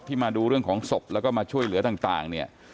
มาดูเรื่องของศพแล้วก็มาช่วยเหลือต่างเนี่ย